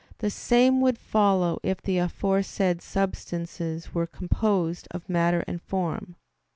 The same would follow if the aforesaid substances were composed of matter and form.